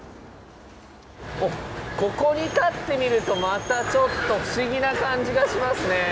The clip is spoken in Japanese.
おっここに立ってみるとまたちょっと不思議な感じがしますねえ。